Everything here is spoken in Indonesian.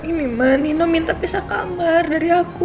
ini mbak nino minta pisah kamar dari aku